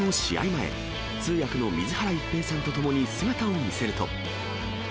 前、通訳の水原一平さんと共に姿を見せると。